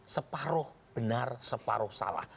separuh benar separuh salah